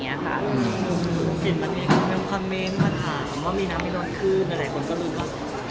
ตื้นเอาใหม่กับเมินพอมเม้นมาถามว่ามีน้ำที่ร้อนขึ้น